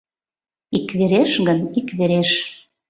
— Иквереш гын, иквереш...